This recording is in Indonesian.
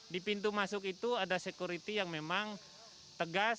di pintu masuk itu ada security yang memang tegas